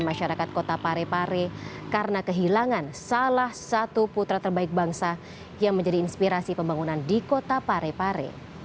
masyarakat kota parepare karena kehilangan salah satu putra terbaik bangsa yang menjadi inspirasi pembangunan di kota parepare